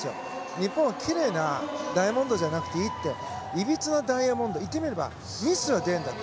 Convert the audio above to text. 日本はきれいなダイヤモンドじゃなくていいっていびつなダイヤモンド言ってみればミスは出るんだ